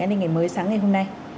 an ninh ngày mới sáng ngày hôm nay